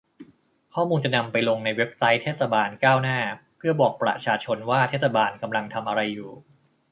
ข้อมูลจะนำไปลงในเว็บไซต์เทศบาลก้าวหน้า เพื่อบอกประชาชนว่าเทศบาลกำลังทำอะไรอยู่